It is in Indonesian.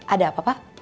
ada apa pak